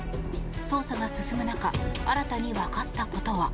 捜査が進む中新たにわかったことは。